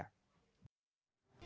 sampai jumpa di video selanjutnya